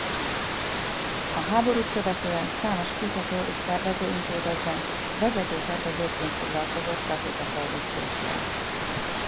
A háborút követően számos kutató- és tervező intézetben vezető tervezőként foglalkozott rakéta fejlesztéssel.